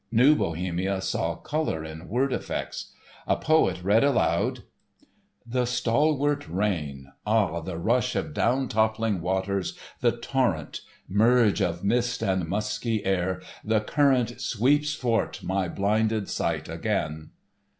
New Bohemia saw colour in word effects. A poet read aloud: The stalwart rain! Ah, the rush of down toppling waters; The torrent! Merge of mist and musky air; The current _Sweeps thwart my blinded sight again.